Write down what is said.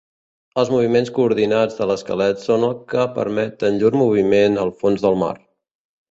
Els moviments coordinats de l'esquelet són els que permeten llur moviment al fons del mar.